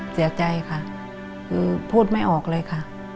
เสียใจค่ะคือพูดไม่ออกเลยค่ะ